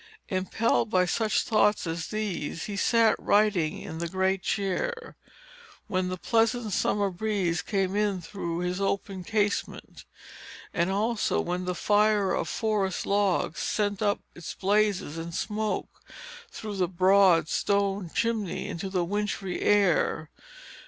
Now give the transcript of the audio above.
Impelled by such thoughts as these, he sat writing in the great chair, when the pleasant summer breeze came in through his open casement; and also when the fire of forest logs sent up its blaze and smoke, through the broad stone chimney, into the wintry air.